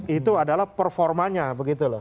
itu adalah performanya begitu loh